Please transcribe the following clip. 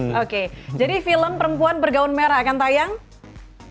sebentar lagi film perempuan bergawun merah akan menggentayangi bioskop tanah jahanan